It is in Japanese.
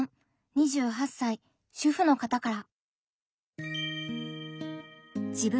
２８歳主婦の方から。